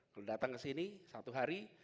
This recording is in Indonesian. kalau datang kesini satu hari